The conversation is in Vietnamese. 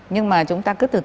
song lãnh thổ nói outrest